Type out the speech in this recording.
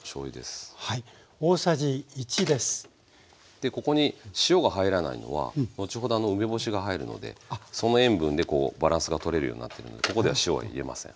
でここに塩が入らないのは後ほど梅干しが入るのでその塩分でこうバランスがとれるようになってるのでここでは塩は入れません。